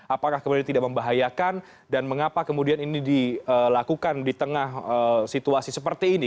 apakah kemudian tidak membahayakan dan mengapa kemudian ini dilakukan di tengah situasi seperti ini